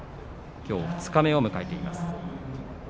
きょう二日目を迎えています。